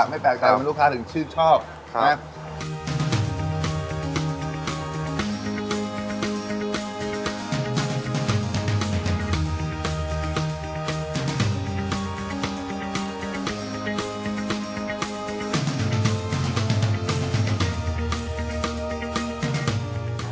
ไม่แปลกใจว่าลูกค้าถึงชื่นชอบครับ